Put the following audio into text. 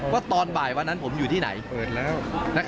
ว่าตอนบ่ายวันนั้นผมอยู่ที่ไหน